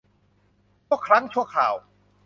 ชั่วครั้งชั่วคราว